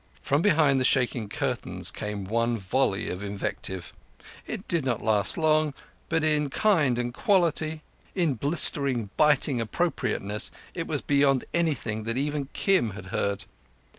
From behind the shaking curtains came one volley of invective. It did not last long, but in kind and quality, in blistering, biting appropriateness, it was beyond anything that even Kim had heard.